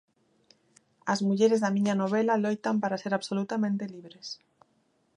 As mulleres da miña novela loitan para ser absolutamente libres.